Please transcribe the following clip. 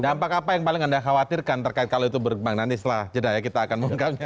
dampak apa yang paling anda khawatirkan terkait kalau itu berkembang nanti setelah jeda ya kita akan mengungkapnya